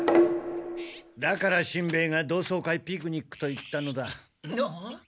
だからしんべヱが同窓会ピクニックと言ったのだ。